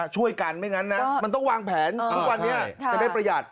ช่วยกันไม่งั้นนะมันต้องวางแผนทุกวันนี้จะได้ประหยัด